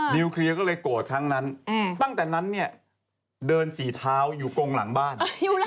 นิวเคลียร์ก็เลยโกรธครั้งนั้นตั้งแต่นั้นเนี่ยเดินสีเท้าอยู่กงหลังบ้าน